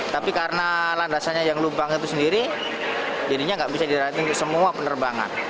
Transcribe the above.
tapi karena landasannya yang lubang itu sendiri jadinya nggak bisa dirati untuk semua penerbangan